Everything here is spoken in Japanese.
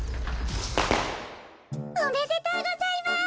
おめでとうございます。